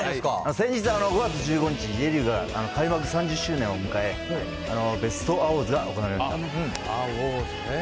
先日、５月１５日にＪリーグが開幕３０周年を迎え、ベストアウォーズが行われました。